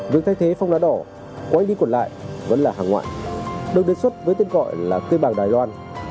việc thay thế phong lá đỏ quay đi còn lại vẫn là hàng ngoại được đề xuất với tên gọi là cây bàng đài loan